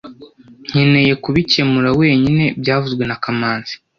Nkeneye kubikemura wenyine byavuzwe na kamanzi